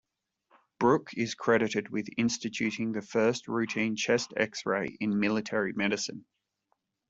Brooke is credited with instituting the first routine chest X-ray in military medicine.